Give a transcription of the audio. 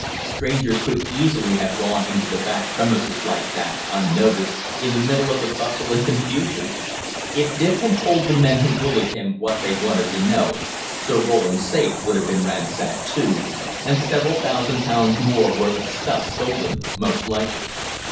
Strangers could easily have gone into the back premises like that, unnoticed, in the middle of the bustle and confusion. If Dick had told the men who bullied him what they wanted to know, Sir Roland's safe would have been ransacked too, and several thousands of pounds more worth of stuff stolen, most likely.